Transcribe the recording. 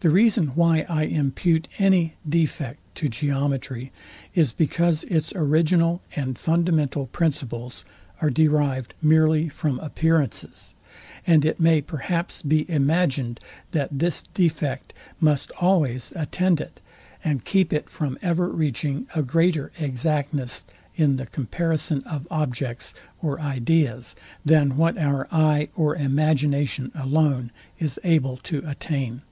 The reason why I impute any defect to geometry, is, because its original and fundamental principles are derived merely from appearances; and it may perhaps be imagined, that this defect must always attend it, and keep it from ever reaching a greater exactness in the comparison of objects or ideas, than what our eye or imagination alone is able to attain.